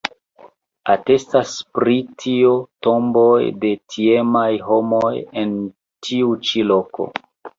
Atestas pri tio tomboj de tiamaj homoj en tiu ĉi loko.